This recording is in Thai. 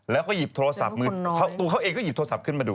แล้วก็หยิบโทรศัพท์มือตัวเขาเองก็หยิบโทรศัพท์ขึ้นมาดู